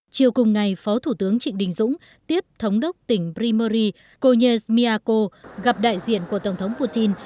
chiều cùng ngày phó thủ tướng trịnh đình dũng tiếp thống đốc tỉnh primory kojies miako gặp đại diện của tổng thống putin